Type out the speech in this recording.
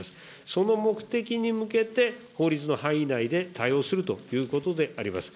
その目的に向けて、法律の範囲内で対応するということであります。